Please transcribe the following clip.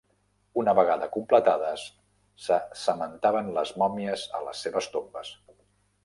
Una vegada completades, se cementaven les mòmies a les seves tombes.